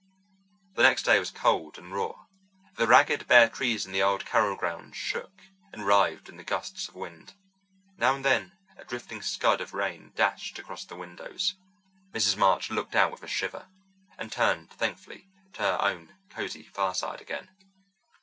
The next day was cold and raw. The ragged, bare trees in the old Carroll grounds shook and writhed in the gusts of wind. Now and then a drifting scud of rain dashed across the windows. Mrs. March looked out with a shiver, and turned thankfully to her own cosy fireside again.